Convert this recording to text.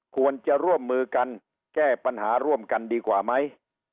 ควรจะร่วมมือกันแก้ปัญหาร่วมกันดีกว่าไหม